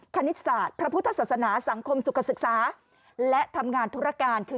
คณิตศาสตร์พระพุทธศาสนาสังคมสุขศึกษาและทำงานธุรการคือ